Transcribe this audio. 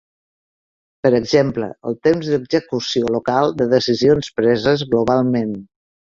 Per exemple, el temps d'execució local de decisions preses globalment.